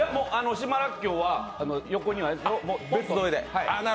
島らっきょうは横に別添えで。